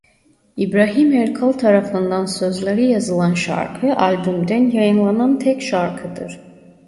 İbrahim Erkal tarafından sözleri yazılan şarkı albümden yayınlanan tek şarkıdır.